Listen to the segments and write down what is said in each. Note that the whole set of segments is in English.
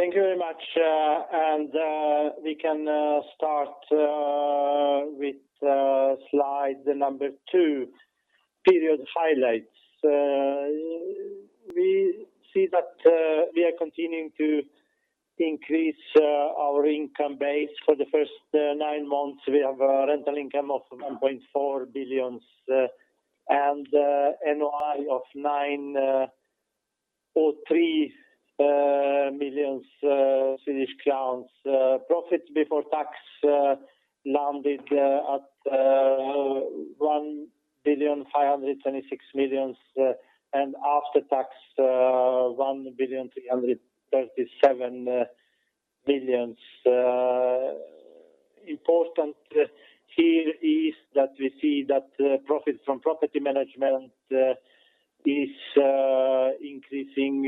Thank you very much. We can start with slide two, period highlights. We see that we are continuing to increase our income base. For the first nine months, we have a rental income of 1.4 billion and NOI of 903 million Swedish crowns. Profits before tax landed at 1.526 billion, and after tax 1.337 billion. Important here is that we see that profits from property management is increasing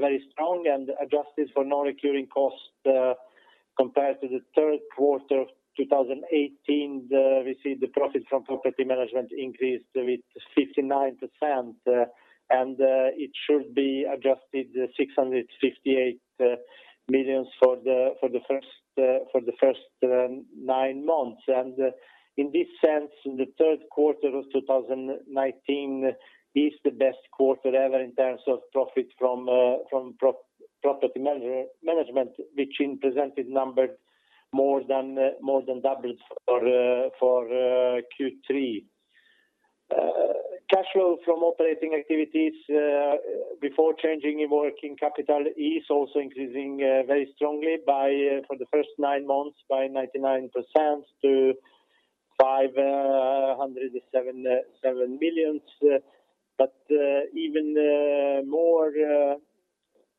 very strong and adjusted for non-recurring costs compared to the third quarter of 2018, we see the profit from property management increased with 59% and it should be adjusted 658 million for the first nine months. In this sense, the third quarter of 2019 is the best quarter ever in terms of profit from property management, which in presented numbered more than doubled for Q3. Cash flow from operating activities, before change in working capital is also increasing very strongly for the first nine months by 99% to 507 million. Even more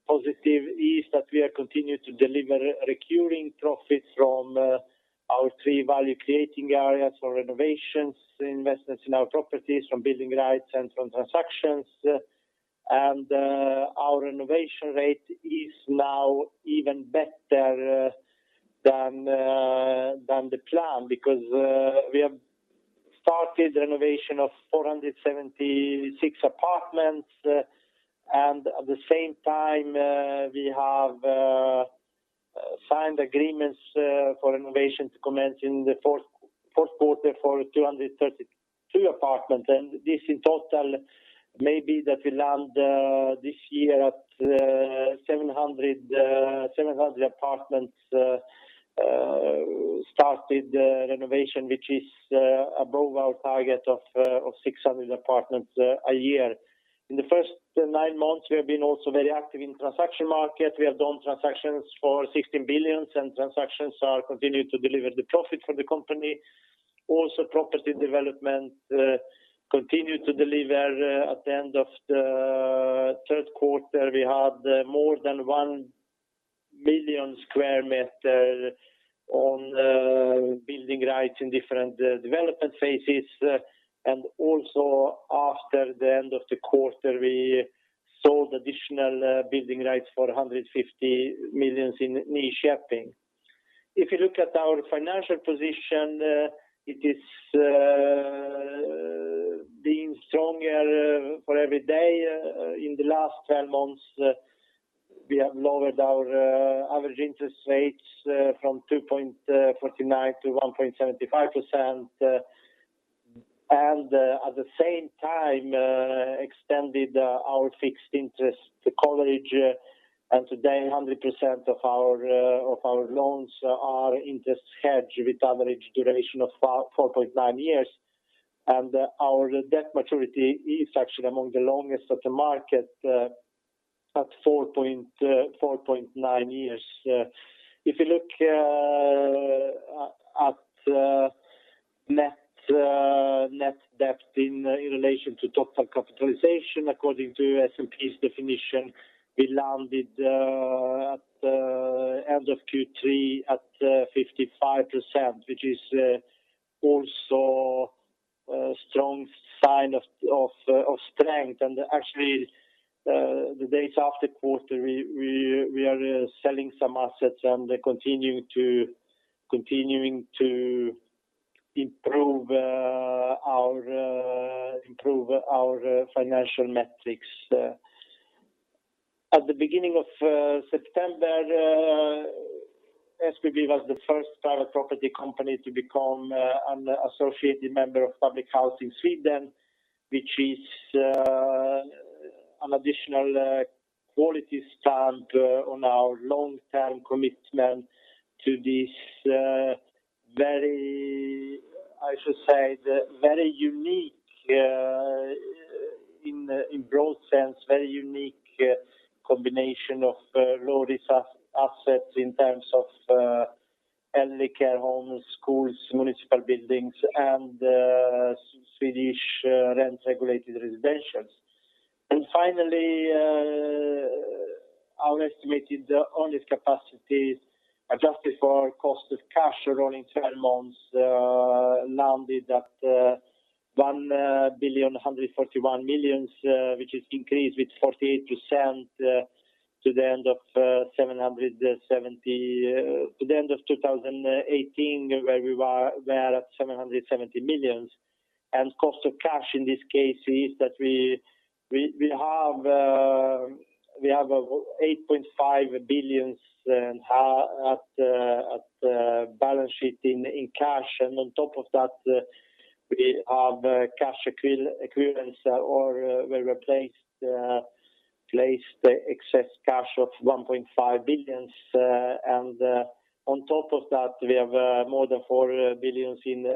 positive is that we are continuing to deliver recurring profits from our three value creating areas. From renovations, investments in our properties, from building rights and from transactions. Our renovation rate is now even better than the plan because we have started renovation of 476 apartments, and at the same time, we have signed agreements for renovations to commence in the fourth quarter for 232 apartments. This in total may be that we land this year at 700 apartments started renovation, which is above our target of 600 apartments a year. In the first nine months, we have been also very active in transaction market. We have done transactions for 16 billion. Transactions are continuing to deliver the profit for the company. Property development continue to deliver. At the end of the third quarter, we had more than 1 million sq m on building rights in different development phases. Also after the end of the quarter, we sold additional building rights for 150 million in Nyköping. If you look at our financial position, it is being stronger for every day. In the last 12 months, we have lowered our average interest rates from 2.49%-1.75%. At the same time, extended our fixed interest coverage. Today, 100% of our loans are interest hedged with average duration of 4.9 years. Our debt maturity is actually among the longest at the market at 4.9 years. If you look at net debt in relation to total capitalization, according to S&P's definition, we landed at end of Q3 at 55%, which is also a strong sign of strength. Actually, the days after quarter, we are selling some assets and continuing to improve our financial metrics. At the beginning of September, SBB was the first private property company to become an associated member of Public Housing Sweden, which is an additional quality stamp on our long-term commitment to this very, I should say, very unique in broad sense, very unique combination of low-risk assets in terms of elder care homes, schools, municipal buildings, and Swedish rent-regulated residentials. Finally, our estimated owned capacities, adjusted for cost of cash rolling 12 months landed at 1.141 billion, which is increased with 48% to the end of 2018 where we were at 770 million. Cost of cash in this case is that we have 8.5 billion at balance sheet in cash. On top of that, we have cash equivalents, or we replaced excess cash of 1.5 billion. On top of that, we have more than 4 billion in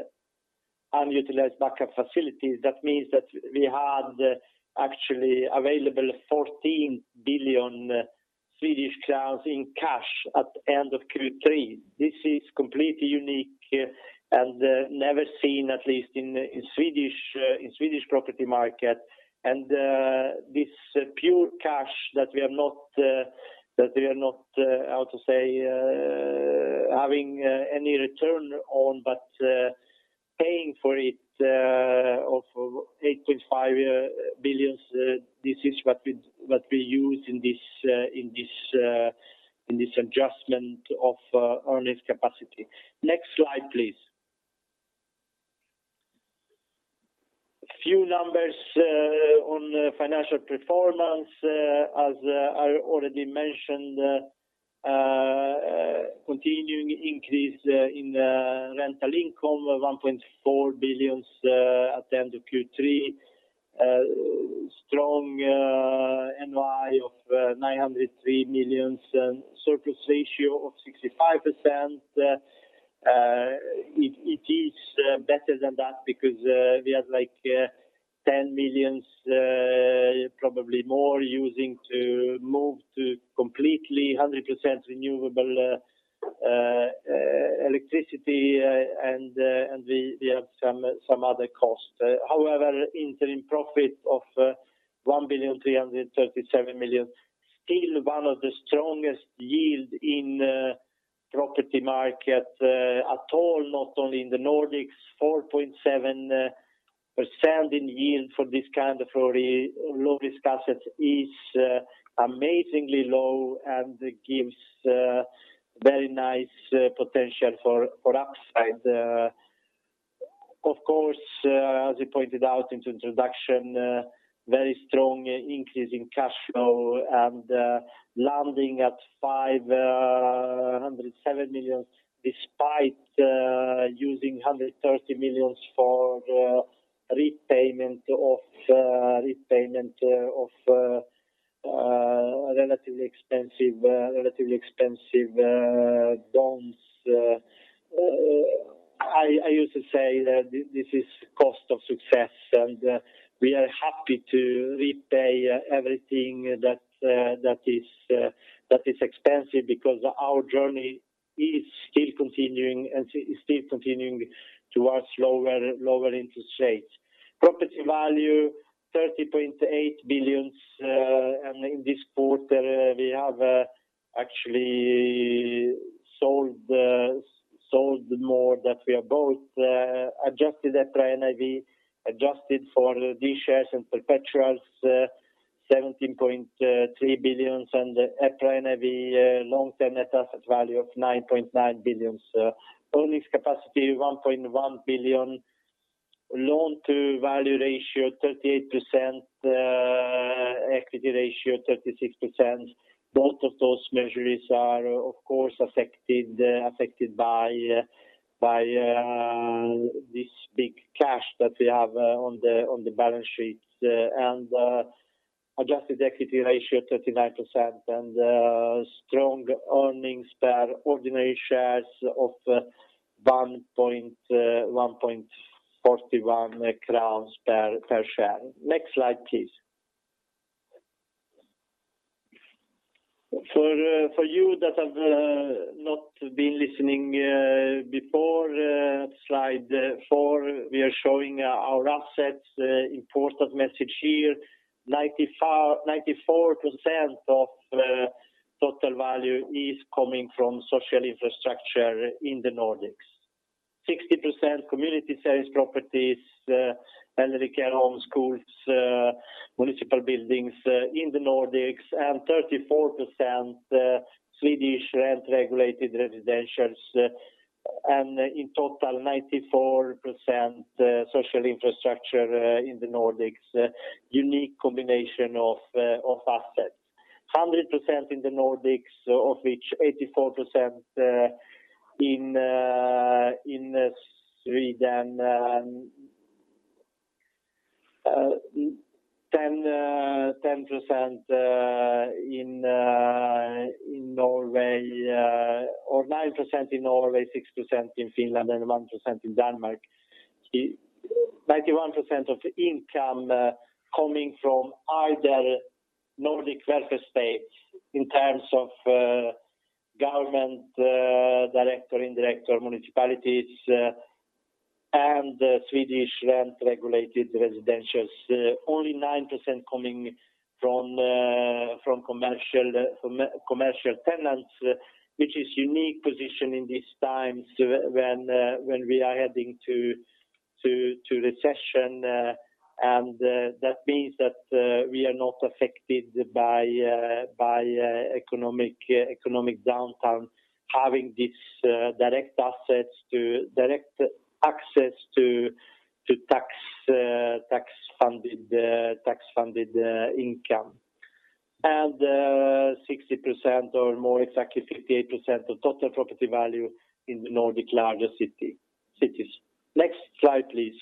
unutilized backup facilities. That means that we had actually available 14 billion Swedish crowns in cash at the end of Q3. This is completely unique and never seen, at least in Swedish property market. This pure cash that we are not, how to say, having any return on, but paying for it of 8.5 billion. This is what we use in this adjustment of earnings capacity. Next slide, please. A few numbers on financial performance. As I already mentioned, continuing increase in rental income of 1.4 billion at the end of Q3. Strong NOI of 903 million and surplus ratio of 65%. It is better than that because we had 10 million, probably more, using to move to completely 100% renewable electricity, and we have some other costs. Interim profit of 1,337 million, still one of the strongest yield in property market at all, not only in the Nordics. 4.7% in yield for this kind of low-risk assets is amazingly low and gives very nice potential for upside. As we pointed out in the introduction, very strong increase in cash flow and landing at 507 million despite using 130 million for repayment of relatively expensive bonds. I used to say that this is cost of success, we are happy to repay everything that is expensive because our journey is still continuing towards lower interest rates. Property value 30.8 billion, in this quarter, we have actually sold more than we have bought. Adjusted EPRA NAV, adjusted for D-shares and perpetuals, 17.3 billion EPRA NAV long-term net asset value of 9.9 billion. Earnings capacity 1.1 billion. Loan-to-value ratio 38%. Equity ratio 36%. Both of those measures are, of course, affected by this big cash that we have on the balance sheet. Adjusted equity ratio 39% and strong earnings per ordinary shares of 1.41 crowns per share. Next slide, please. For you that have not been listening before, slide four, we are showing our assets. Important message here, 94% of total value is coming from social infrastructure in the Nordics. 60% community service properties, elder care homes, schools, municipal buildings in the Nordics, 34% Swedish rent-regulated residentials. In total, 94% social infrastructure in the Nordics. Unique combination of assets. 100% in the Nordics, of which 84% in Sweden and 10% in Norway, or 9% in Norway, 6% in Finland, and 1% in Denmark. 91% of income coming from either Nordic welfare states in terms of government direct or indirect or municipalities, and Swedish rent-regulated residentials. Only 9% coming from commercial tenants, which is unique position in this time when we are heading to recession. That means that we are not affected by economic downtown, having this direct access to tax-funded income. 60% or more, exactly 58% of total property value in the Nordic largest cities. Next slide, please.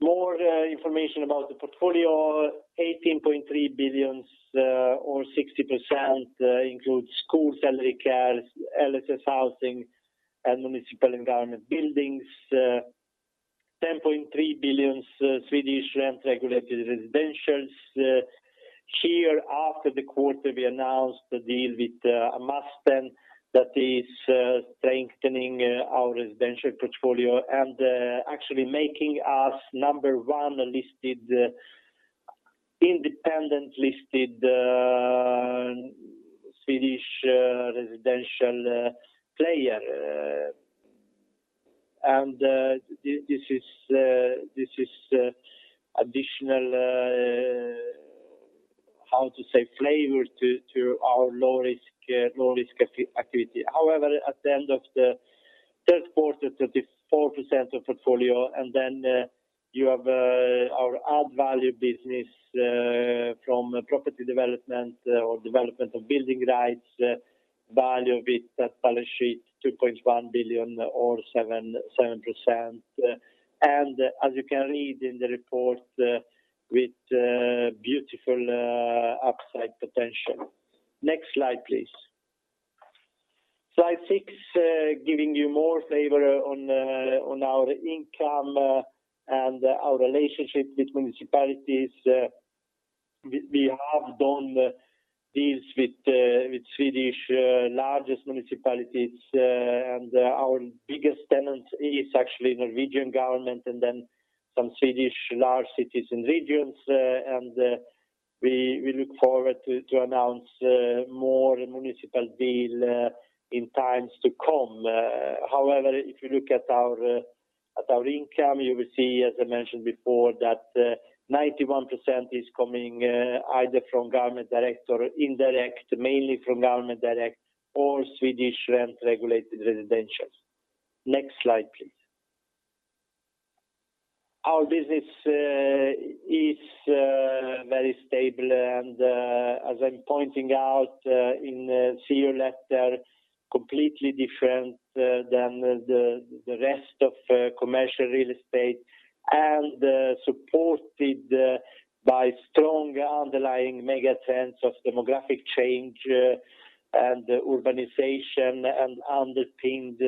More information about the portfolio. 18.3 billion or 60% includes school, elderly care, LSS housing, and municipal and government buildings. 10.3 billion Swedish rent-regulated residentials. After the quarter, we announced the deal with Amasten that is strengthening our residential portfolio and actually making us number 1 independent-listed Swedish residential player. This is additional, how to say, flavor to our low-risk activity. However, at the end of the third quarter, 34% of portfolio, then you have our add-value business from property development or development of building rights value with that balance sheet 2.1 billion or 7%, as you can read in the report with beautiful upside potential. Next slide, please. Slide six, giving you more flavor on our income and our relationship with municipalities. We have done deals with Swedish largest municipalities. Our biggest tenant is actually Norwegian government, then some Swedish large cities and regions. We look forward to announce more municipal deal in times to come. If you look at our income, you will see, as I mentioned before, that 91% is coming either from government direct or indirect, mainly from government direct or Swedish rent-regulated residentials. Next slide, please. Our business is very stable and, as I'm pointing out in CEO letter, completely different than the rest of commercial real estate and supported by strong underlying mega-trends of demographic change and urbanization, and underpinned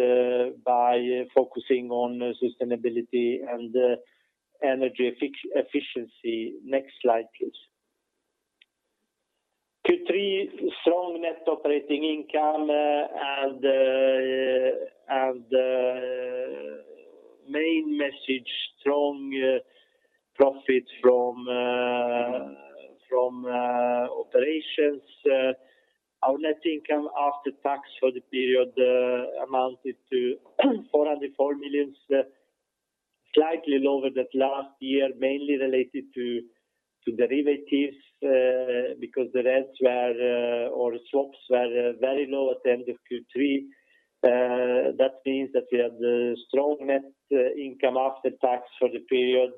by focusing on sustainability and energy efficiency. Next slide, please. Q3 strong net operating income and main message, strong profit from operations. Our net income after tax for the period amounted to 404 million, slightly lower than last year, mainly related to derivatives because the rents or swaps were very low at the end of Q3. That means that we have the strong net income after tax for the period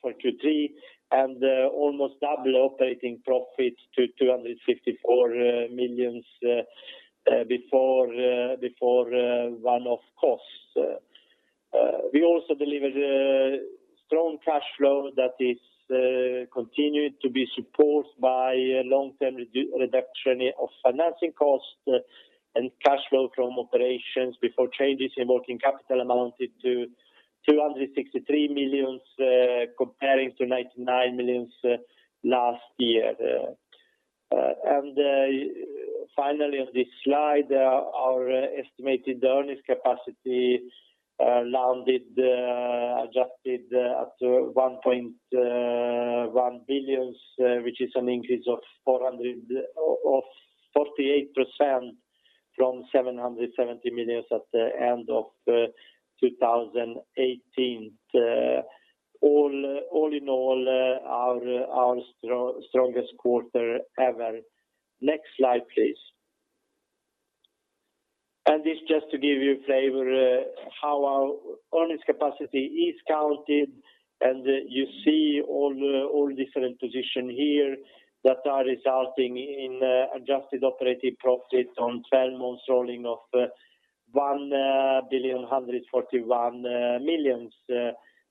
for Q3 and almost double operating profit to 254 million before one-off costs. We also delivered a strong cash flow that is continued to be supported by long-term reduction of financing costs and cash flow from operations before changes in working capital amounted to 263 million comparing to 99 million last year. Finally, on this slide, our estimated earnings capacity landed adjusted at 1.1 billion which is an increase of 48% from SEK 770 million at the end of 2018. All in all, our strongest quarter ever. Next slide, please. This just to give you a flavor how our earnings capacity is counted. You see all the different position here that are resulting in adjusted operating profit on 12 months rolling of 1,141 million.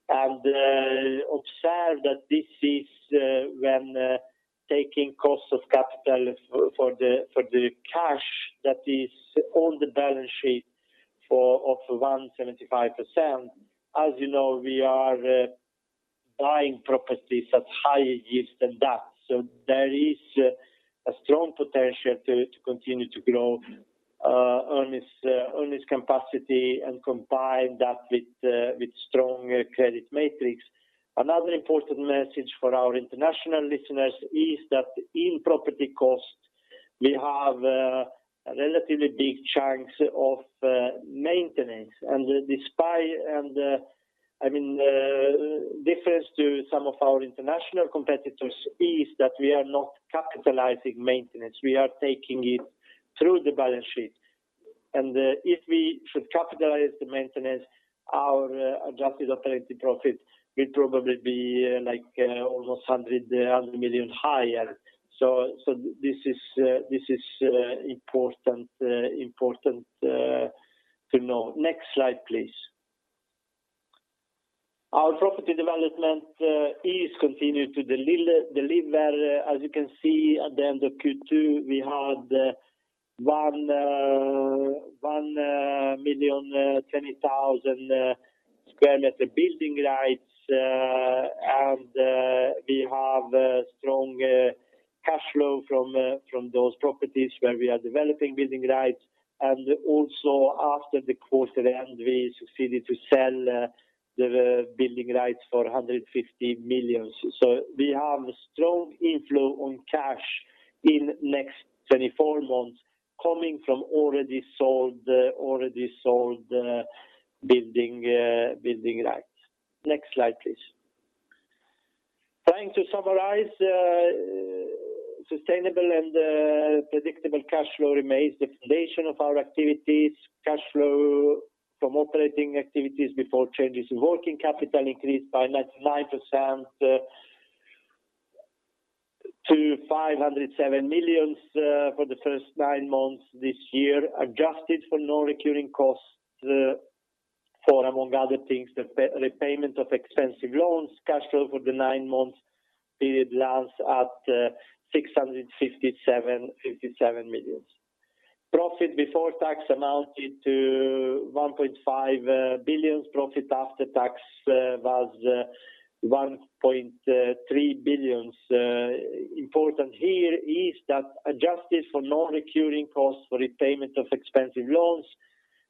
Observe that this is when taking cost of capital for the cash that is on the balance sheet of 175%. As you know, we are buying properties at higher yields than that. There is a strong potential to continue to grow earnings capacity and combine that with strong credit metrics. Another important message for our international listeners is that in property costs, we have relatively big chunks of maintenance. The difference to some of our international competitors is that we are not capitalizing maintenance. We are taking it through the balance sheet. If we should capitalize the maintenance, our adjusted operating profit will probably be almost 100 million higher. This is important to know. Next slide, please. Our property development is continued to deliver. As you can see at the end of Q2, we had 1,020,000 sq m building rights. We have strong cash flow from those properties where we are developing building rights. Also after the quarter end, we succeeded to sell the building rights for 150 million. We have strong inflow on cash in next 24 months coming from already sold building rights. Next slide, please. Trying to summarize, sustainable and predictable cash flow remains the foundation of our activities. Cash flow from operating activities before changes in working capital increased by 99% to 507 million for the first nine months this year. Adjusted for non-recurring costs for, among other things, the repayment of expensive loans. Cash flow for the nine-month period lands at 657 million. Profit before tax amounted to 1.5 billion. Profit after tax was 1.3 billion. Important here is that adjusted for non-recurring costs for repayment of expensive loans,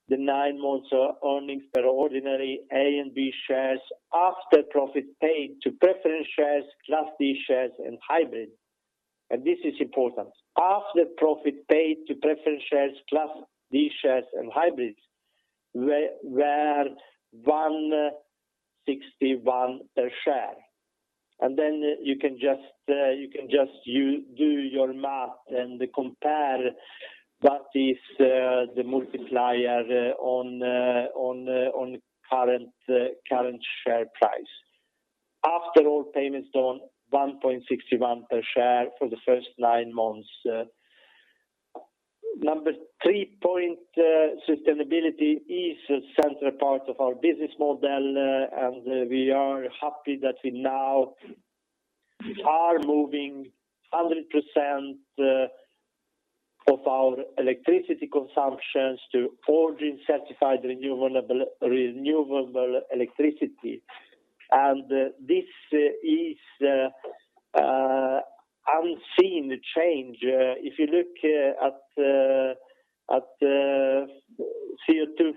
the nine months earnings per ordinary A and B-shares after profit paid to preference shares, class D shares and hybrid. This is important. After profit paid to preference shares, class D shares, and hybrids were 1.61 per share. Then you can just do your math and compare what is the multiplier on current share price. After all payments done, 1.61 per share for the first nine months. Number 3 point sustainability is a central part of our business model, and we are happy that we now are moving 100% of our electricity consumptions to origin-certified renewable electricity. This is unseen change. If you look at CO2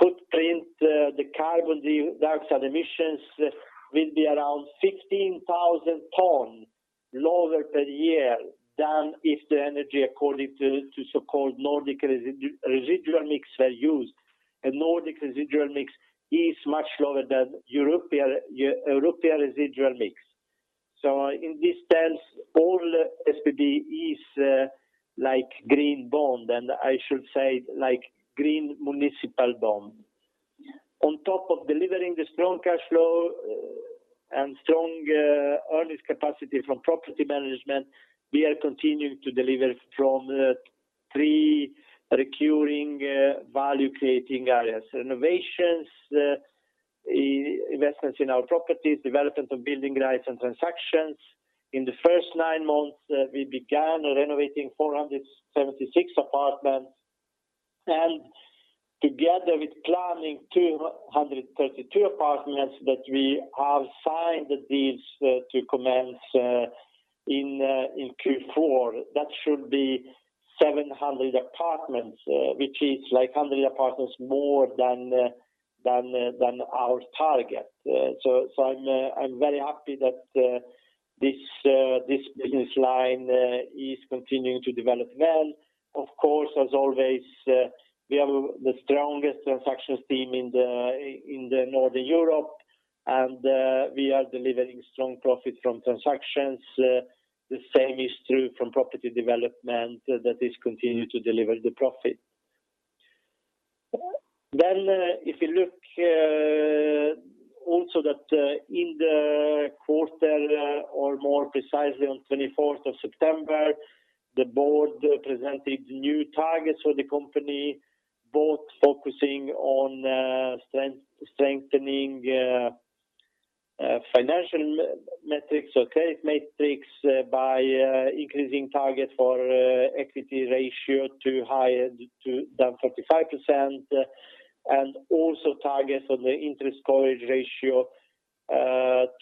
footprint, the carbon dioxide emissions will be around 16,000 tons lower per year than if the energy according to so-called Nordic residual mix were used. A Nordic residual mix is much lower than European residual mix. In this sense, all SBB is like green bond, and I should say like green municipal bond. On top of delivering the strong cash flow and strong earnings capacity from property management, we are continuing to deliver from three recurring value-creating areas. Renovations, investments in our properties, development of building rights and transactions. In the first nine months, we began renovating 476 apartments, and together with planning 232 apartments that we have signed the deals to commence in Q4. That should be 700 apartments which is 100 apartments more than our target. I'm very happy that this business line is continuing to develop well. Of course, as always, we have the strongest transactions team in Northern Europe, and we are delivering strong profit from transactions. The same is true from property development, that is continuing to deliver the profit. If you look also that in the quarter or more precisely on 24th of September, the board presented new targets for the company, both focusing on strengthening financial metrics or credit metrics by increasing target for equity ratio to higher than 35%, and also targets on the interest coverage ratio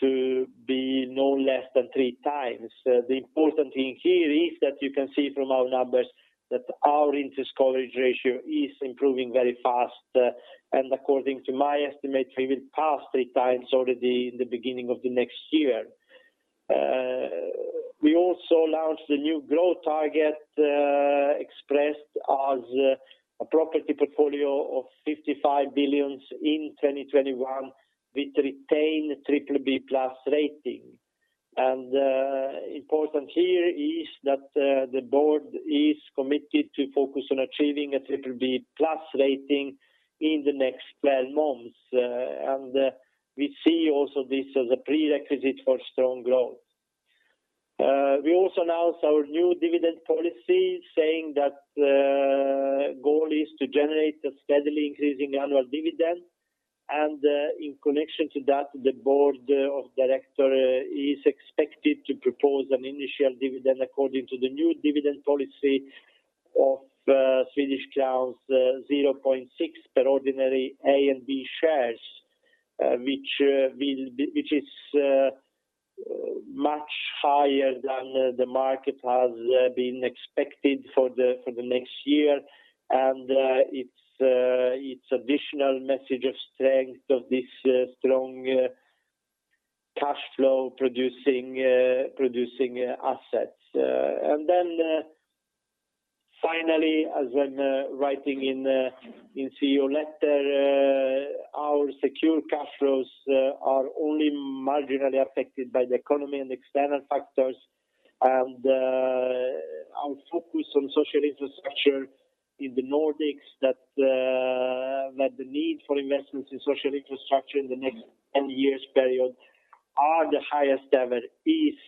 to be no less than three times. The important thing here is that you can see from our numbers that our interest coverage ratio is improving very fast. According to my estimate, we will pass three times already in the beginning of the next year. We also launched the new growth target expressed as a property portfolio of 55 billion in 2021 with retained BBB+ rating. Important here is that the board is committed to focus on achieving a BBB+ rating in the next 12 months. We see also this as a prerequisite for strong growth. We also announced our new dividend policy saying that goal is to generate a steadily increasing annual dividend. In connection to that, the board of director is expected to propose an initial dividend according to the new dividend policy of Swedish crowns 0.6 per ordinary A and B-shares, which is much higher than the market has been expected for the next year. It's additional message of strength of this strong cash flow-producing assets. Finally, as when writing in CEO letter our secure cash flows are only marginally affected by the economy and external factors and our focus on social infrastructure in the Nordics that the need for investments in social infrastructure in the next 10 years period are the highest ever is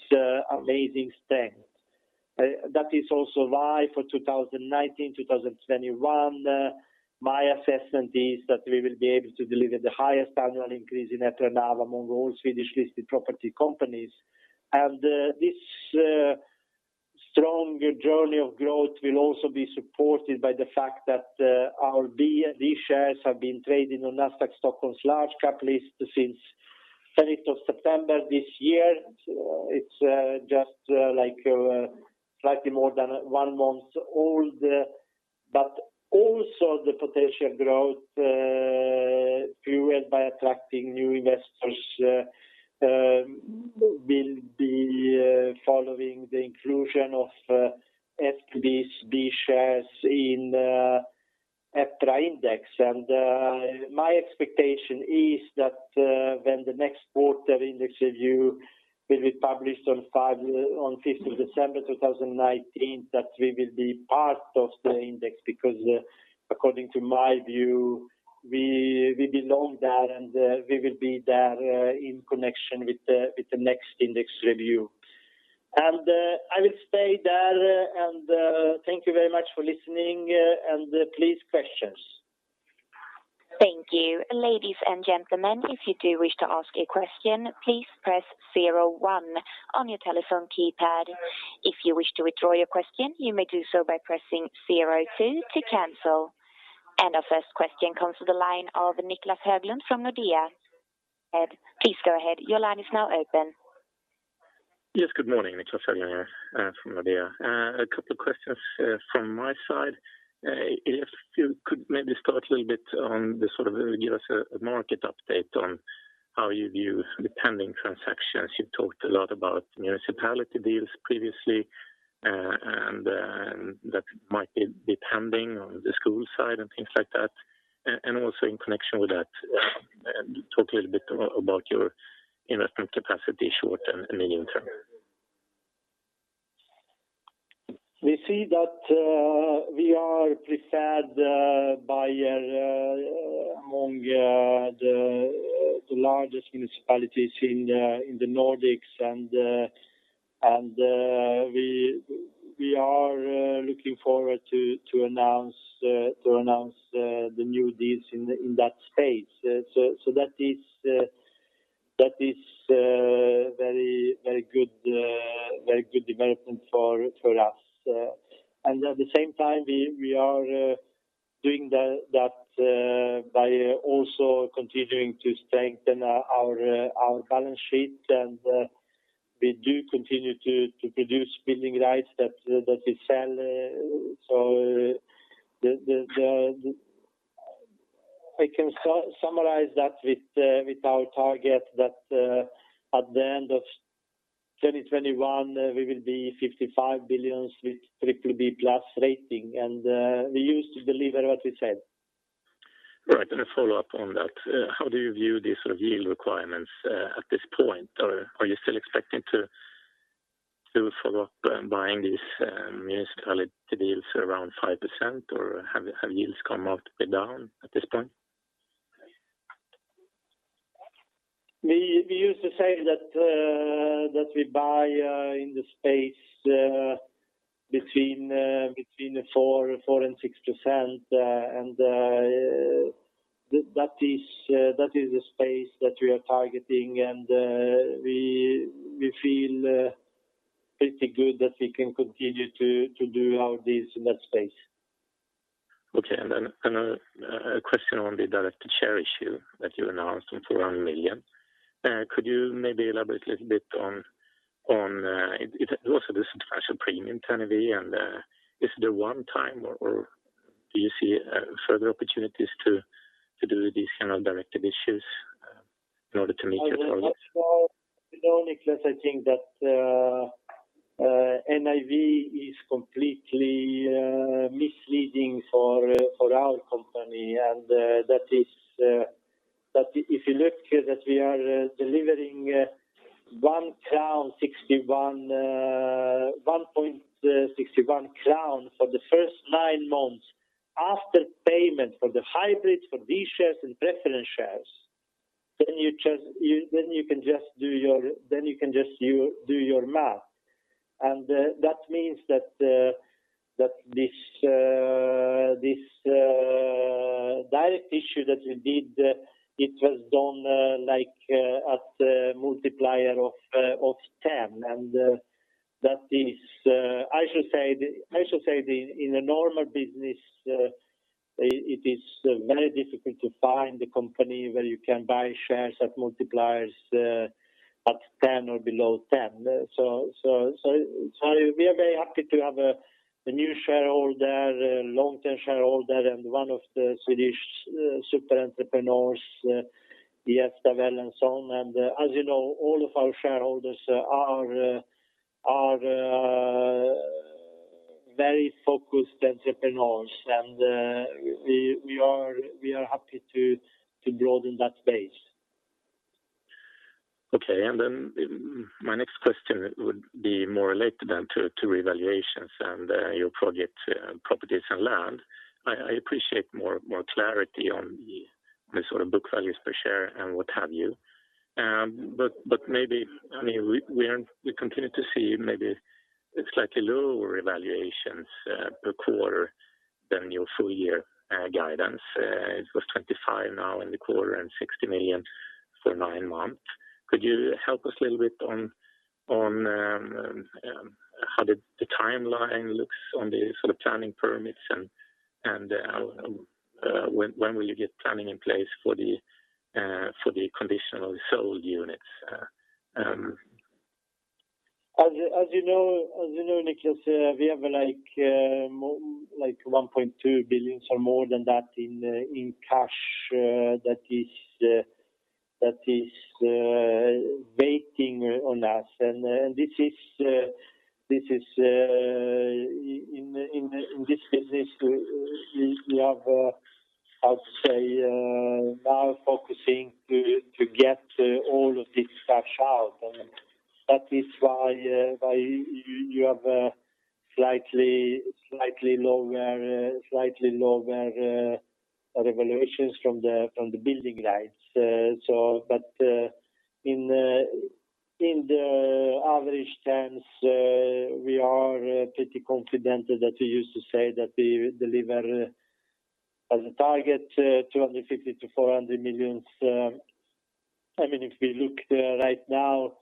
amazing strength. That is also why for 2019-2021, my assessment is that we will be able to deliver the highest annual increase in EPRA NAV among all Swedish-listed property companies. This strong journey of growth will also be supported by the fact that our B-shares and D-shares have been trading on Nasdaq Stockholm's large-cap list since 3rd of September this year. It's just slightly more than one month old. Also the potential growth fueled by attracting new investors will be following the inclusion of SBB's B-shares in EPRA index. My expectation is that when the next quarter index review will be published on 5th of December 2019, that we will be part of the index because according to my view, we belong there, and we will be there in connection with the next index review. I will stay there and thank you very much for listening, and please questions. Thank you. Ladies and gentlemen, if you do wish to ask a question, please press zero one on your telephone keypad. If you wish to withdraw your question, you may do so by pressing zero two to cancel. Our first question comes to the line of Niclas Höglund from Nordea. Please go ahead. Your line is now open. Yes. Good morning. Niclas Höglund here from Nordea. A couple of questions from my side. If you could maybe start a little bit on the sort of, give us a market update on how you view the pending transactions. You've talked a lot about municipality deals previously, that might be pending on the school side and things like that. Also in connection with that talk a little bit about your investment capacity short and medium term. We see that we are preferred among the largest municipalities in the Nordics, we are looking forward to announce the new deals in that space. That is very good development for us. At the same time, we are doing that by also continuing to strengthen our balance sheet, and we do continue to produce building rights that we sell. We can summarize that with our target that at the end of 2021, we will be 55 billion with BBB+ rating, and we used to deliver what we said. Right. A follow-up on that. How do you view these sort of yield requirements at this point? Are you still expecting to do a follow-up buying these municipality deals around 5% or have yields come off a bit down at this point? We used to say that we buy in the space between 4% and 6%, and that is a space that we are targeting, and we feel pretty good that we can continue to do our deals in that space. Okay. Another question on the D-share issue that you announced for [1 million]. Could you maybe elaborate a little bit on it? The premium kind of way. Is it a one-time, or do you see further opportunities to do these kind of directed issues in order to meet your targets? No, Niclas, I think that NAV is completely misleading for our company. If you look here that we are delivering 1.61 crown for the first nine months after payment for the hybrids, for B-shares, and preference shares, you can just do your math. That means that this direct issue that we did, it was done at multiplier of 10. I should say in a normal business, it is very difficult to find a company where you can buy shares at multipliers at 10 or below 10. We are very happy to have a new shareholder, a long-term shareholder, and one of the Swedish super entrepreneurs, Jesper Waldersten. As you know, all of our shareholders are very focused entrepreneurs and we are happy to broaden that base. Okay. My next question would be more related to revaluations and your project properties and land. I appreciate more clarity on the sort of book values per share and what have you. Maybe, we continue to see maybe slightly lower revaluations per quarter than your full year guidance. It was 25 now in the quarter and 60 million for nine months. Could you help us a little bit on how the timeline looks on the sort of planning permits and when will you get planning in place for the conditionally sold units? As you know, Niclas, we have like 1.2 billion or more than that in cash that is waiting on us. In this business we have, how to say, now focusing to get all of this cash out. That is why you have a slightly lower evaluations from the building rights. In the average sense, we are pretty confident that we used to say that we deliver as a target 250 million-400 million. If we look right now,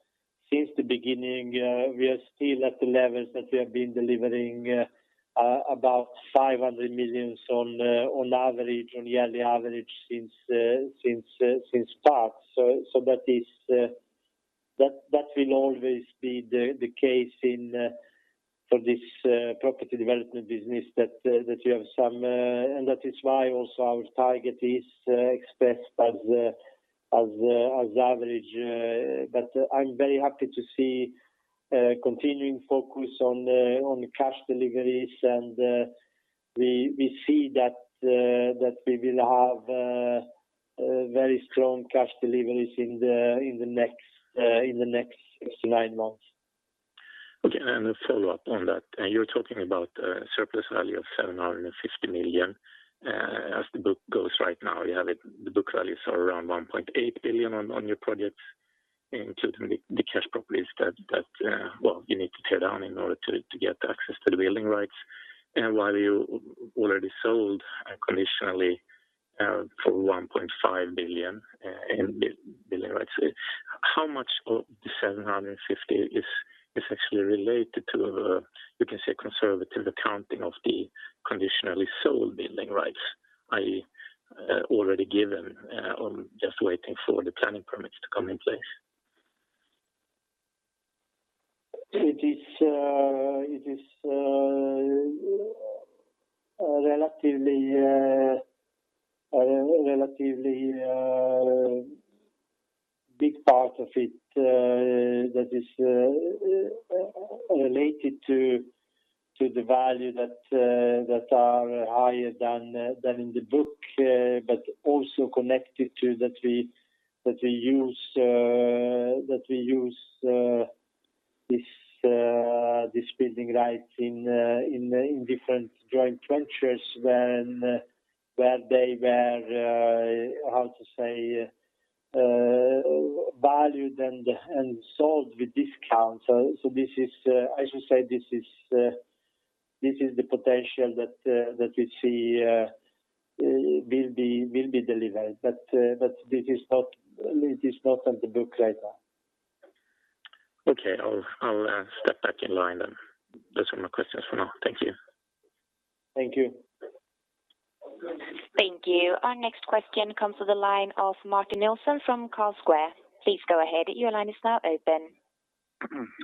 since the beginning, we are still at the levels that we have been delivering about 500 million on yearly average since start. That will always be the case for this property development business. That is why also our target is expressed as average. I'm very happy to see continuing focus on cash deliveries, and we see that we will have very strong cash deliveries in the next nine months. Okay, a follow-up on that. You're talking about a surplus value of 750 million. As the book goes right now, the book values are around 1.8 billion on your projects, including the cash properties that you need to tear down in order to get access to the building rights. While you already sold conditionally for 1.5 billion in building rights, how much of the 750 is actually related to, you can say, conservative accounting of the conditionally sold building rights, i.e., already given on just waiting for the planning permits to come in place? It is a relatively big part of it that is related to the value that are higher than in the book. Also connected to that we use these building rights in different joint ventures where they were, how to say, valued and sold with discount. I should say this is the potential that we see will be delivered. This is not on the book right now. Okay. I'll step back in line then. Those were my questions for now. Thank you. Thank you. Thank you. Our next question comes to the line of Martin Nilsson from Carlsquare. Please go ahead. Your line is now open.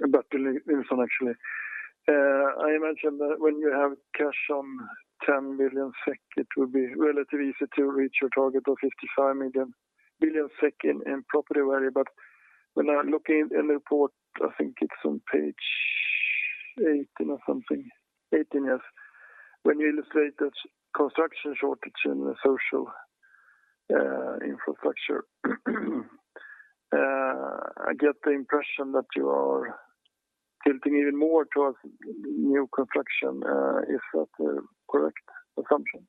Martin Nilsson, actually. I imagine that when you have cash on 10 million SEK, it will be relatively easy to reach your target of 55 million in property value. When I look in the report, I think it's on page 18 or something. 18, yes. When you illustrate the construction shortage in the social infrastructure, I get the impression that you are tilting even more towards new construction. Is that a correct assumption?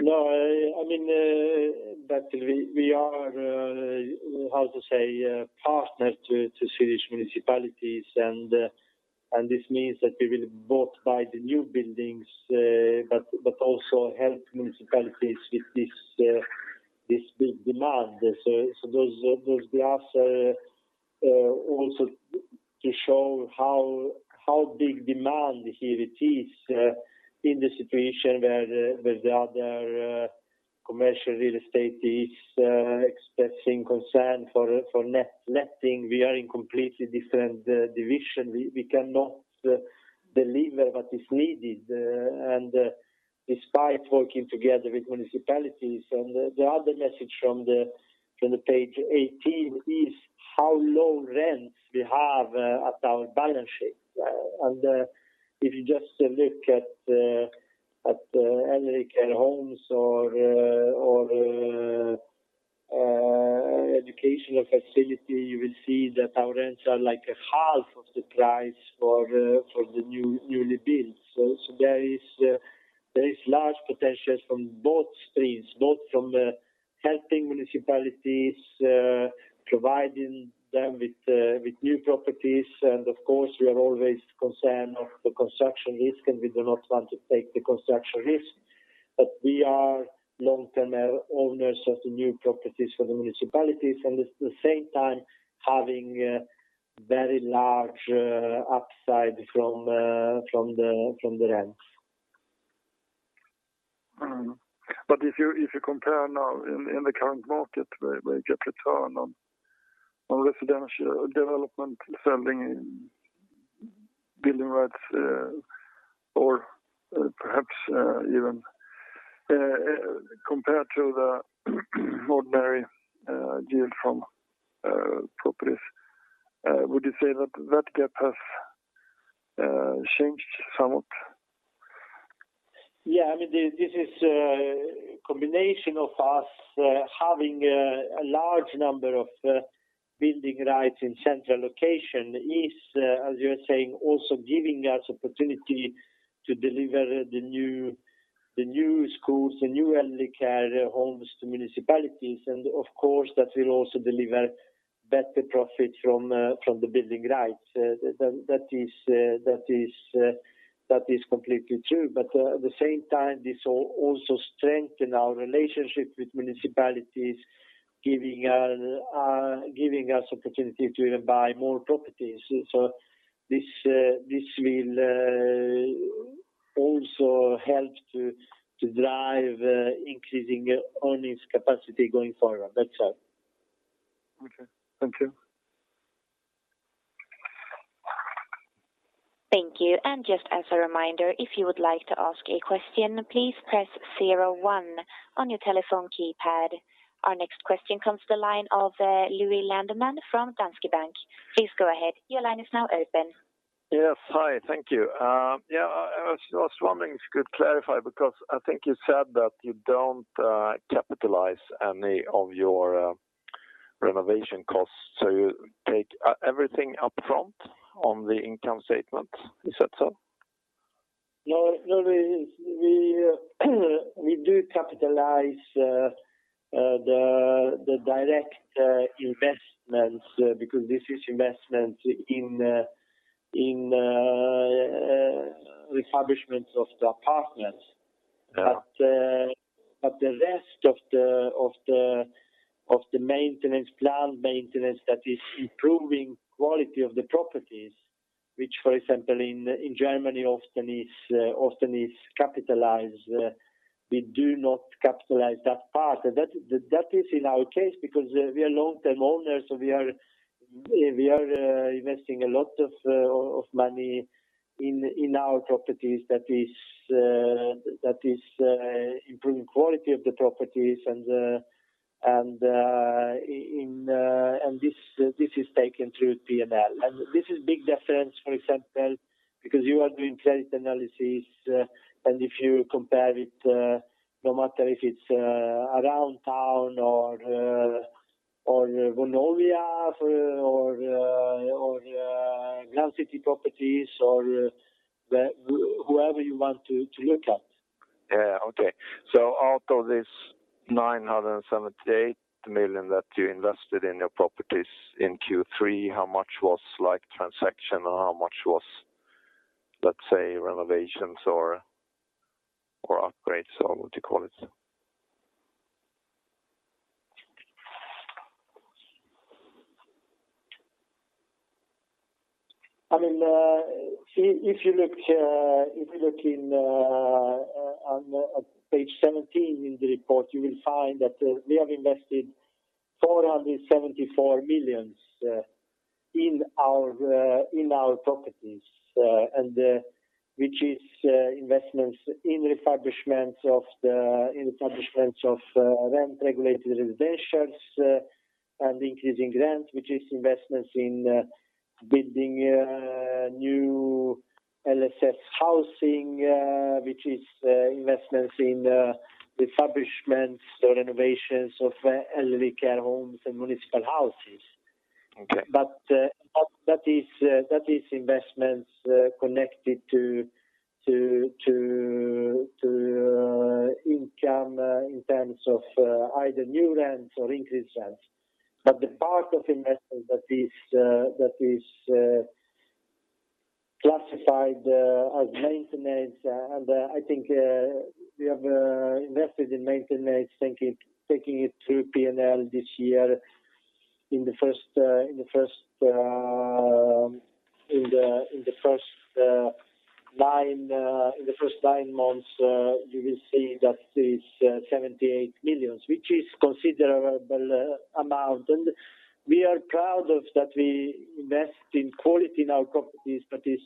No, Martin, we are partners to Swedish municipalities. This means that we will both buy the new buildings, but also help municipalities with this big demand. Those graphs are also to show how big demand here it is, in the situation where the other commercial real estate is expressing concern for netting. We are in completely different division. We cannot deliver what is needed. Despite working together with municipalities, the other message from the page 18 is how low rents we have at our balance sheet. If you just look at elderly care homes or educational facility, you will see that our rents are like a half of the price for the newly built. There is large potentials from both streams, both from helping municipalities, providing them with new properties and, of course, we are always concerned of the construction risk, and we do not want to take the construction risk. We are long-term owners of the new properties for the municipalities and at the same time having very large upside from the rents. If you compare now in the current market where you get return on residential development, selling building rights, or perhaps even compared to the ordinary yield from properties, would you say that that gap has changed somewhat? This is a combination of us having a large number of building rights in central location, as you are saying, also giving us opportunity to deliver the new schools, the new elderly care homes to municipalities. Of course, that will also deliver better profit from the building rights. That is completely true. At the same time, this will also strengthen our relationship with municipalities, giving us opportunity to even buy more properties. This will also help to drive increasing earnings capacity going forward. That's all. Okay. Thank you. Thank you. Just as a reminder, if you would like to ask a question, please press 01 on your telephone keypad. Our next question comes to the line of Louis Landeman from Danske Bank. Please go ahead. Your line is now open. Yes. Hi, thank you. I was wondering if you could clarify because I think you said that you don't capitalize any of your renovation costs. You take everything up front on the income statement. Is that so? No, Louis, we do capitalize the direct investments because this is investment in refurbishments of the apartments. Yeah. The rest of the planned maintenance that is improving quality of the properties, which, for example, in Germany often is capitalized, we do not capitalize that part. That is in our case because we are long-term owners, so we are investing a lot of money in our properties that is improving quality of the properties, and this is taken through P&L. This is big difference, for example, because you are doing credit analysis, and if you compare it, no matter if it's Aroundtown or Vonovia or Grand City Properties or whoever you want to look at. Yeah. Okay. Out of this 978 million that you invested in your properties in Q3, how much was transaction and how much was, let's say, renovations or upgrades, or what do you call it? If you look on page 17 in the report, you will find that we have invested 474 million in our properties which is investments in refurbishment of rent-regulated residential and increasing rent, which is investments in building new LSS housing, which is investments in refurbishments or renovations of elderly care homes and municipal houses. Okay. That is investments connected to income in terms of either new rents or increased rents. The part of investment that is classified as maintenance, and I think we have invested in maintenance taking it through P&L this year in the first nine months, you will see that is 78 million, which is considerable amount and we are proud of that we invest in quality in our properties but is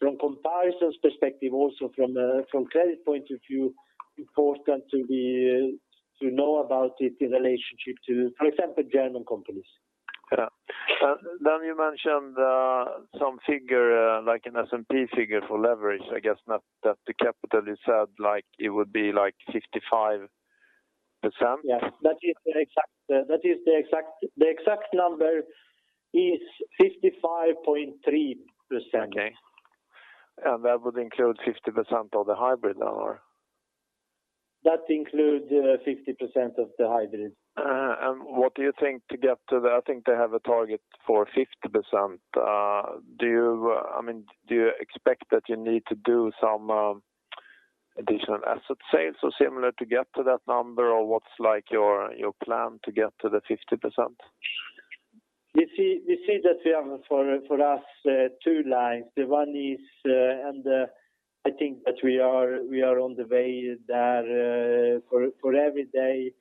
from comparisons perspective also from credit point of view important to know about it in relationship to, for example, German companies. Yeah. You mentioned some figure, like an S&P figure for leverage, I guess not that the capital is held like it would be like 55%? Yes. That is the exact number is 55.3%. Okay. That would include 50% of the hybrid now? That includes 50% of the hybrid. What do you think to get to that? I think they have a target for 50%. Do you expect that you need to do some additional asset sales or similar to get to that number or what's your plan to get to the 50%? We see that we have, for us, two lines. The one is, I think that we are on the way there for every day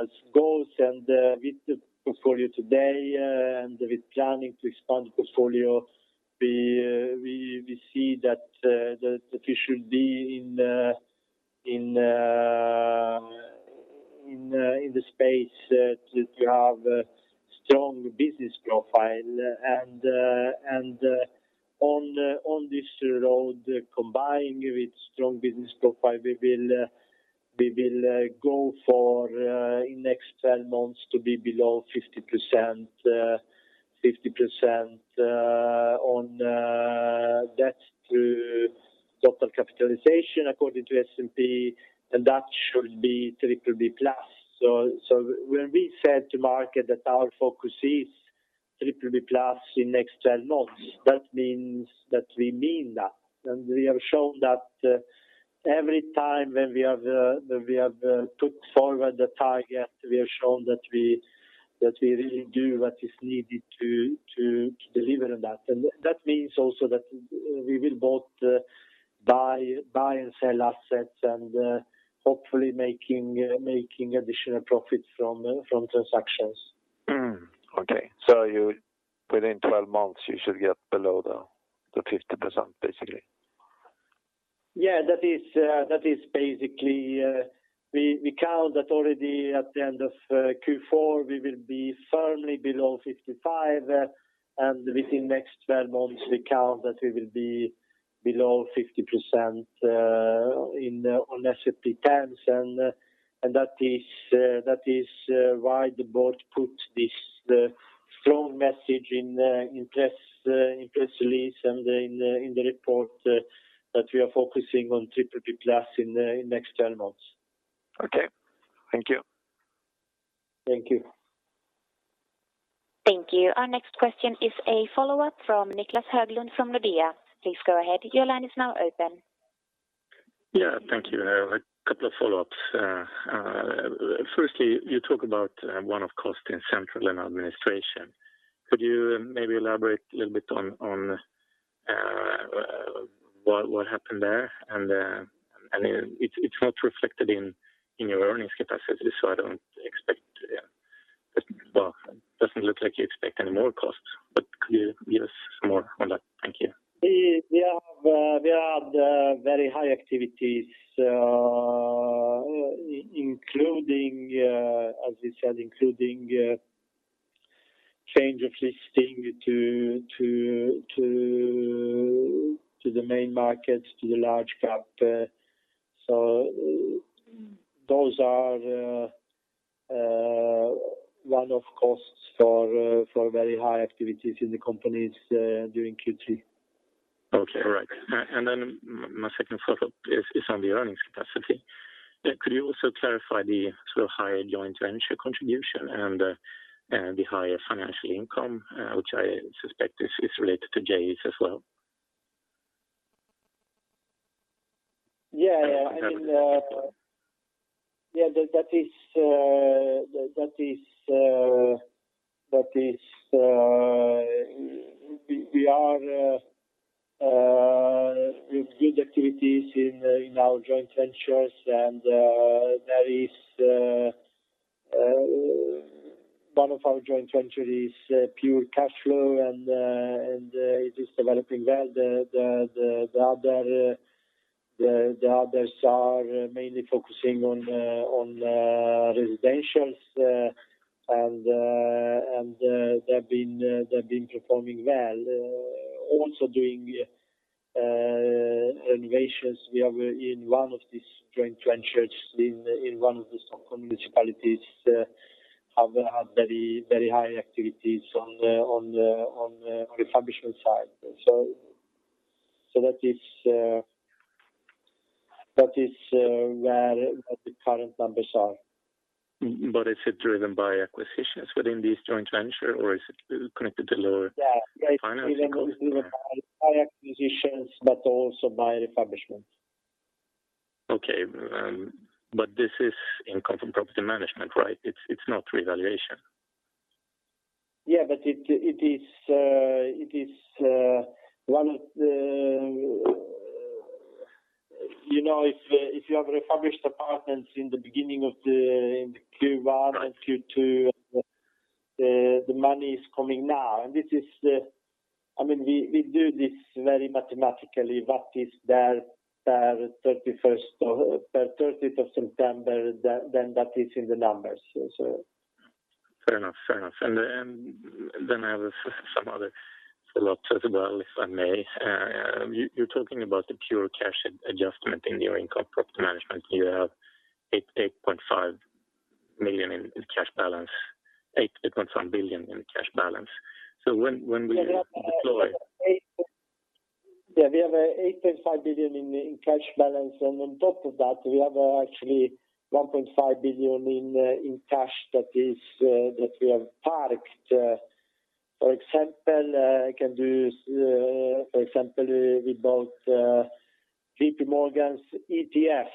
as goals and with the portfolio today and with planning to expand the portfolio, we see that we should be in the space that you have a strong business profile and on this road combining with strong business profile, we will go for in next 12 months to be below 50% on debt to total capitalization according to S&P and that should be BBB+. When we said to market that our focus is BBB+ in next 12 months, that means that we mean that, and we have shown that every time when we have put forward the target, we have shown that we really do what is needed to deliver that. That means also that we will both buy and sell assets and hopefully making additional profits from transactions. Okay. within 12 months you should get below the 50% basically. Yeah, that is basically, we count that already at the end of Q4 we will be firmly below 55% and within next 12 months we count that we will be below 50% on S&P terms and that is why the board put this strong message in press release and in the report that we are focusing on BBB+ in next 12 months. Okay. Thank you. Thank you. Thank you. Our next question is a follow-up from Niclas Höglund from Nordea. Please go ahead. Your line is now open. Yeah. Thank you. A couple of follow-ups. Firstly, you talk about one-off cost in central and administration. Could you maybe elaborate a little bit on what happened there? It's not reflected in your earnings capacity, so I don't expect Well, it doesn't look like you expect any more costs, but could you give us some more on that? Thank you. There are very high activities, as you said, including change of listing to the main markets, to the large-cap. Those are one of costs for very high activities in the companies during Q3. Okay. All right. My second follow-up is on the earnings capacity. Could you also clarify the sort of higher joint venture contribution and the higher financial income, which I suspect is related to JVs as well. Yeah. We have good activities in our joint ventures. One of our joint ventures is pure cash flow, and it is developing well. The others are mainly focusing on residentials, and they've been performing well, also doing renovations. We have, in one of these joint ventures in one of the Stockholm municipalities, have had very high activities on the refurbishment side. That is where the current numbers are. Is it driven by acquisitions within this joint venture, or is it connected to lower-? Yeah financing costs? It is driven by acquisitions, but also by refurbishment. Okay. This is income from property management, right? It's not revaluation. Yeah. If you have refurbished apartments in Q1 and Q2, the money is coming now. We do this very mathematically. What is there per 30th of September, then that is in the numbers. Fair enough. I have some other follow-ups as well, if I may. You're talking about the pure cash adjustment in your income property management. You have 8.5 billion in cash balance. When will you deploy? Yeah, we have 8.5 billion in cash balance. On top of that, we have actually 1.5 billion in cash that we have parked. For example, we bought JPMorgan's ETF,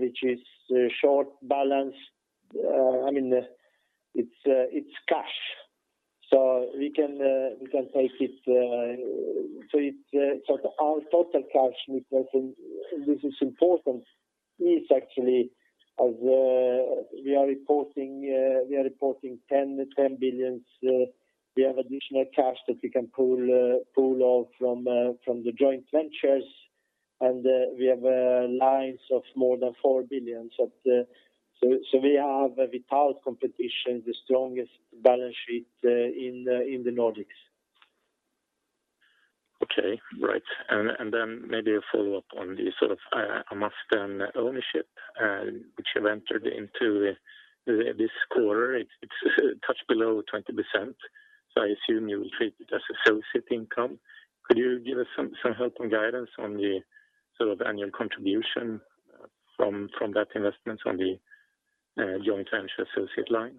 which is a short balance. It's cash. We can take it. Our total cash, and this is important, we are reporting 10 billion. We have additional cash that we can pull off from the joint ventures. We have lines of more than 4 billion. We have, without competition, the strongest balance sheet in the Nordics. Okay. Right. Maybe a follow-up on the Amasten ownership, which you've entered into this quarter. It's a touch below 20%, so I assume you will treat it as associate income. Could you give us some help and guidance on the annual contribution from that investment on the joint venture associate line?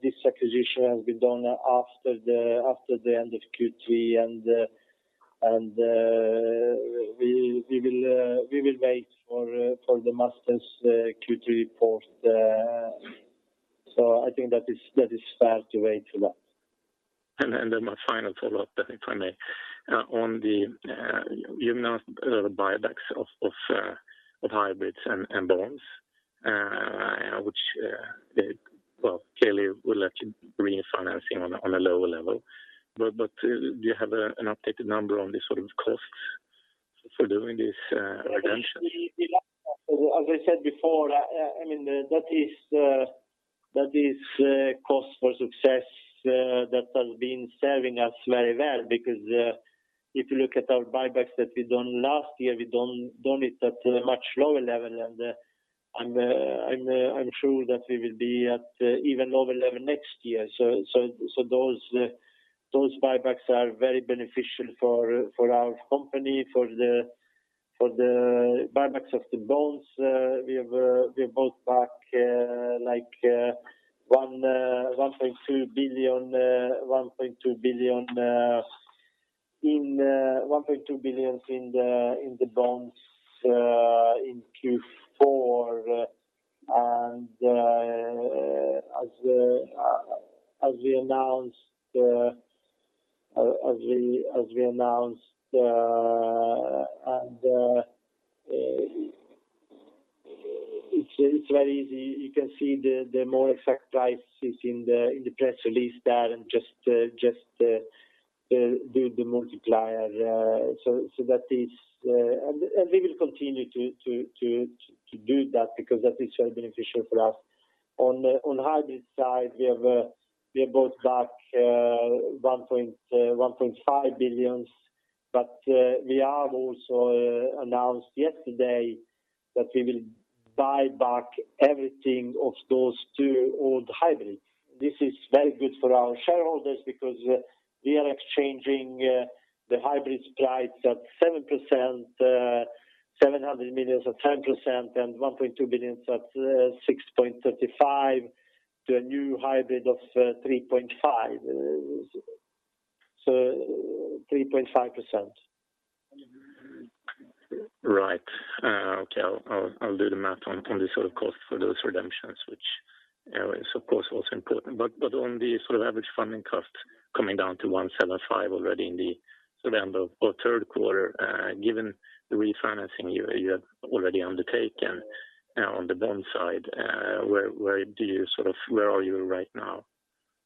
This acquisition has been done after the end of Q3, and we will wait for the Amasten's Q3 report. I think that is fair to wait for that. My final follow-up, if I may. You announced buybacks of hybrids and bonds, which clearly will let you refinance on a lower level. Do you have an updated number on the costs for doing these redemptions? As I said before, that is cost for success that has been serving us very well because if you look at our buybacks that we done last year, we done it at a much lower level, and I'm sure that we will be at even lower level next year. Those buybacks are very beneficial for our company. For the buybacks of the bonds, we have bought back SEK 1.2 billion in the bonds in Q4. As we announced, it's very easy. You can see the more effective prices in the press release there and just do the multiplier. We will continue to do that because that is very beneficial for us. On hybrid side, we have bought back 1.5 billion, but we have also announced yesterday that we will buy back everything of those two old hybrids. This is very good for our shareholders because we are exchanging the hybrids priced at 7%, 700 million at 10%, and 1.2 billion at 6.35% to a new high bid of 3.5%. 3.5%. Right. Okay. I'll do the math on the cost for those redemptions, which is, of course, also important. On the average funding cost coming down to 1.75 already in the end of third quarter, given the refinancing you have already undertaken on the bond side, where are you right now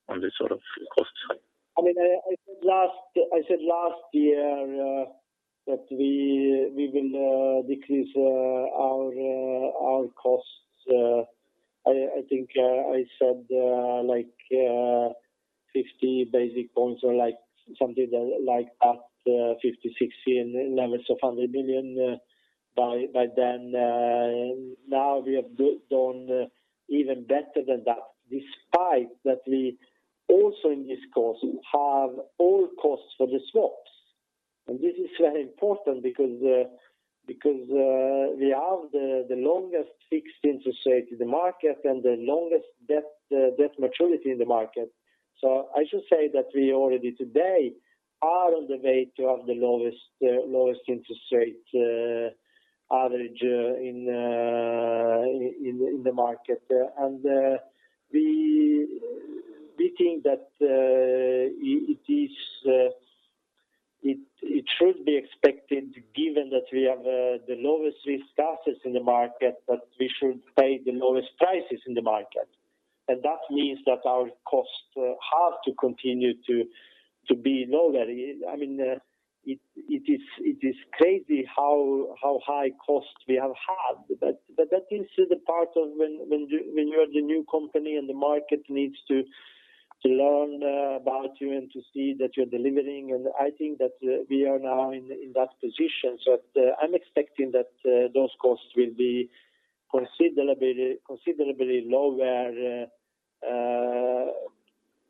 on the cost side? I said last year that we will decrease our costs. I think I said 50 basis points or something like at 50, 60 in levels of 100 million by then. We have done even better than that, despite that we also in this cost have all costs for the swaps. This is very important because we have the longest fixed interest rate in the market and the longest debt maturity in the market. I should say that we already today are on the way to have the lowest interest rate average in the market. We think that it should be expected, given that we have the lowest risk assets in the market, that we should pay the lowest prices in the market. That means that our costs have to continue to be lower. It is crazy how high costs we have had. That is the part of when you are the new company and the market needs to learn about you and to see that you're delivering. I think that we are now in that position. I'm expecting that those costs will be considerably lower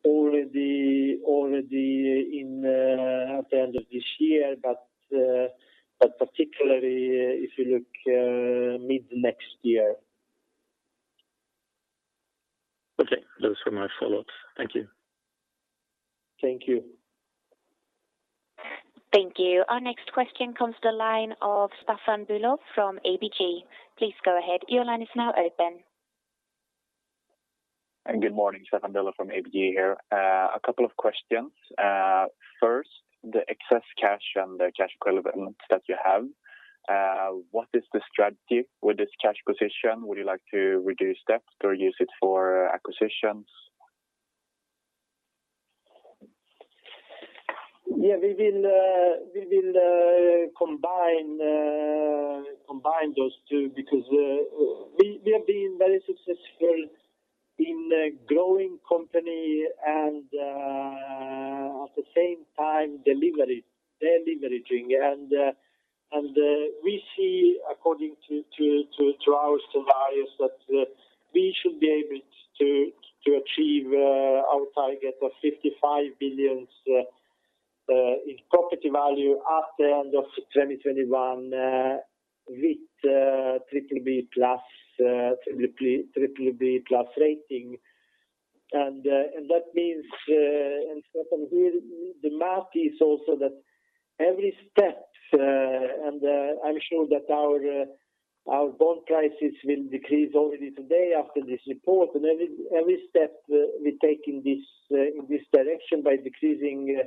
already at the end of this year, but particularly if you look mid-next year. Okay. Those were my follow-ups. Thank you. Thank you. Thank you. Our next question comes to the line of Staffan Bülow from ABG. Please go ahead. Your line is now open. Good morning. Staffan Bülow from ABG here. A couple of questions. First, the excess cash and the cash equivalents that you have. What is the strategy with this cash position? Would you like to reduce debt or use it for acquisitions? Yeah, we will combine those two because we have been very successful in growing company and at the same time de-leveraging. We see according to our scenarios that we should be able to achieve our target of 55 billion in property value at the end of 2021 with BBB+ rating. That means, Staffan, the math is also that every step, I'm sure that our bond prices will decrease already today after this report. Every step we take in this direction by decreasing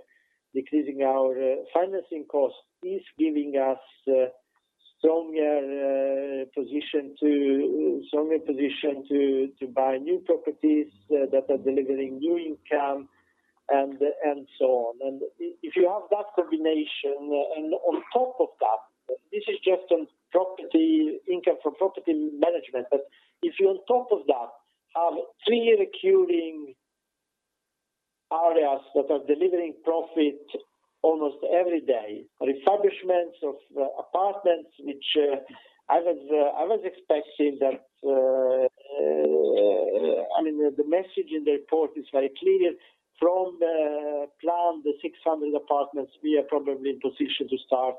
our financing cost is giving us stronger position to buy new properties that are delivering new income, and so on. If you have that combination, on top of that, this is just income from property management. If you on top of that have three recurring areas that are delivering profit almost every day. The message in the report is very clear. From the plan, the 600 apartments, we are probably in position to start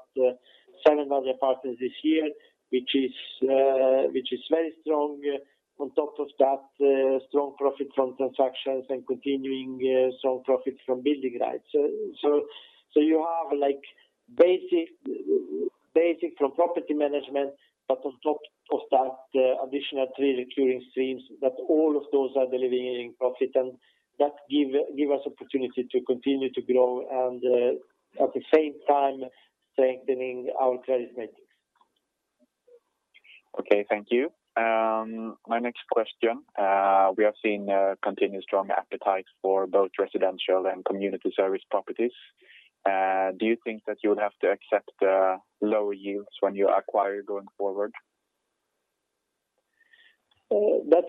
700 apartments this year, which is very strong. On top of that, strong profit from transactions and continuing strong profits from building rights. You have basic from property management, but on top of that, additional three recurring streams that all of those are delivering profit, and that give us opportunity to continue to grow and at the same time strengthening our credit metrics. Okay, thank you. My next question. We have seen continued strong appetite for both residential and community service properties. Do you think that you would have to accept lower yields when you acquire going forward? That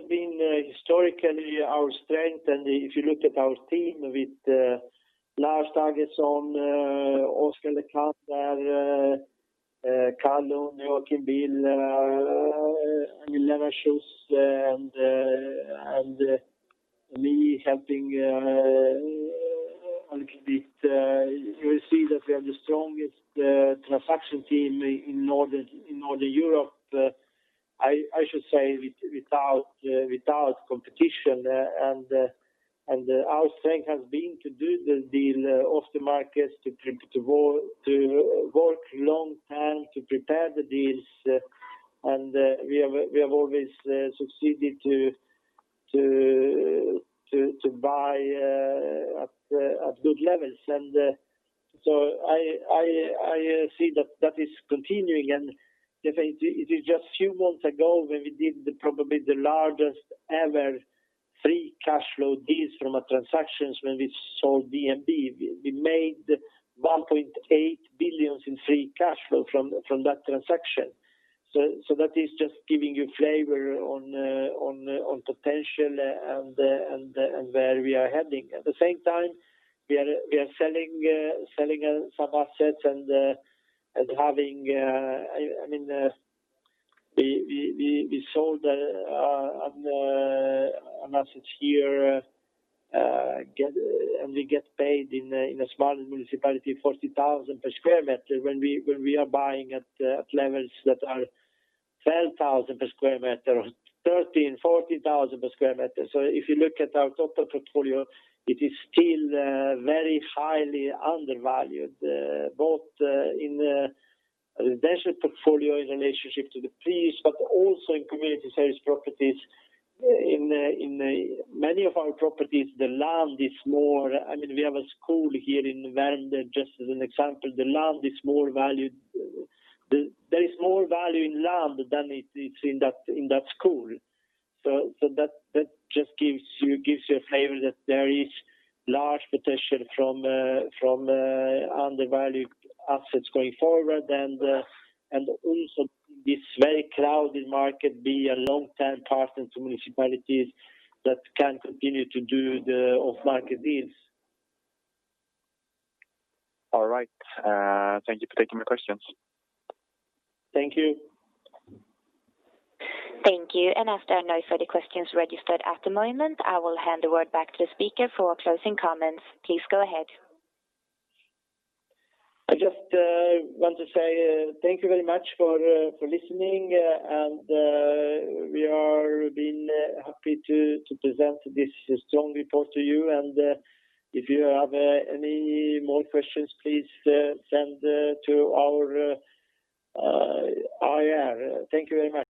has been historically our strength. If you look at our team with Lars Danielsson, Oscar Lekander, Karl Lund, Joakim Bill, Emil Evertås and me helping. You will see that we are the strongest transaction team in Northern Europe, I should say without competition. Our strength has been to do the deal off the markets to work long term to prepare the deals. We have always succeeded to buy at good levels. I see that is continuing, and it is just few months ago when we did probably the largest ever free cash flow deals from a transaction when we sold DNB. We made 1.8 billion in free cash flow from that transaction. That is just giving you flavor on potential and where we are heading. At the same time, we are selling some assets. We sold an asset here, and we get paid in a small municipality 40,000 per square meter when we are buying at levels that are 12,000 per square meter or 13,000, 14,000 per square meter. If you look at our total portfolio, it is still very highly undervalued, both in the residential portfolio in relationship to the peers, but also in Community Service Properties. In many of our properties. We have a school here in Värmdö, just as an example, there is more value in land than it is in that school. That just gives you a flavor that there is large potential from undervalued assets going forward and also this very crowded market be a long-term partner to municipalities that can continue to do the off-market deals. All right. Thank you for taking my questions. Thank you. Thank you. After no further questions registered at the moment, I will hand the word back to the speaker for closing comments. Please go ahead. I just want to say thank you very much for listening, we are been happy to present this strong report to you. If you have any more questions, please send to our IR. Thank you very much